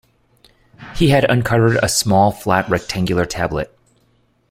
He had uncovered a small, flat, rectangular tablet.